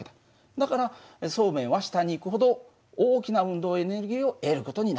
だからそうめんは下に行くほど大きな運動エネルギーを得る事になる。